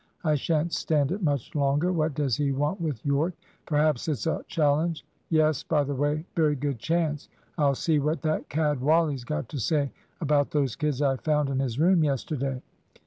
I shan't stand it much longer. What does he want with Yorke! Perhaps it's a challenge. Yes, by the way, very good chance! I'll see what that cad Wally's got to say about those kids I found in his room yesterday.